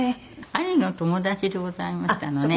兄の友達でございましたのね。